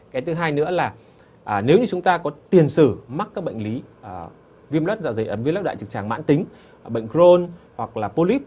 cái thứ hai nữa là nếu như chúng ta có tiền sử mắc các bệnh lý viêm loát dạ dày ẩm viêm loát đại tràng mãn tính bệnh crohn hoặc là polyp